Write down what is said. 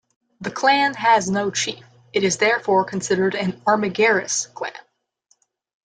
The clan has no chief; it is therefore considered an Armigerous clan.